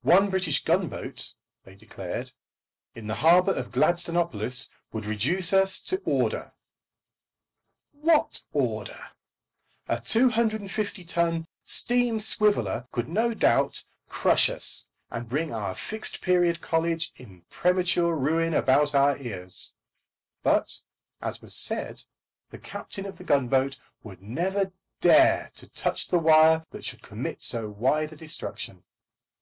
One British gunboat, they declared, in the harbour of Gladstonopolis, would reduce us to order. What order? A 250 ton steam swiveller could no doubt crush us, and bring our Fixed Period college in premature ruin about our ears. But, as was said, the captain of the gunboat would never dare to touch the wire that should commit so wide a destruction.